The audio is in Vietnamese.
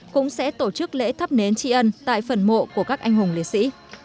cũng sẽ tổ chức lễ thắp nến tri ân tại phần mộ của các anh hùng liệt sĩ